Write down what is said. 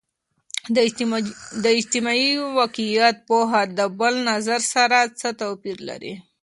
د اجتماعي واقعیت پوهه د بل نظر سره څه توپیر لري؟